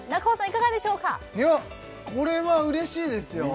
いやこれはうれしいですよ